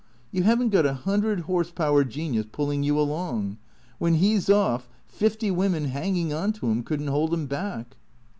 You haven't got a hundred horse power genius pulling you along. When he 's off, fifty women hanging on to him could n't hold him back."